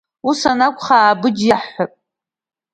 Ус анакәха Аабыџь иаҳҳәап.